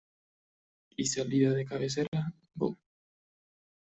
Y salida de cabecera Bo.